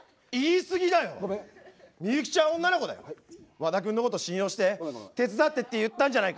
和田君のこと信用して手伝ってって言ったんじゃないか。